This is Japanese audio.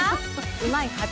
「うまいッ！」